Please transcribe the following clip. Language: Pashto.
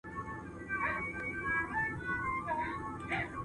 وخت تېز ځي.